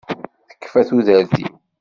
Tekfa tudert-iw!